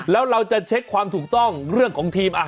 แล้วเราจะเช็คความถูกต้องเรื่องของทีม